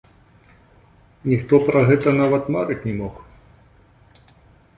Ніхто пра гэта нават марыць не мог.